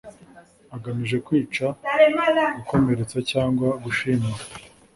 agamije kwica gukomeretsa cyangwa gushimuta